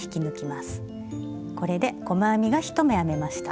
これで細編みが１目編めました。